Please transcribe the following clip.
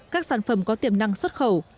các sản phẩm có tiềm năng xuất khẩu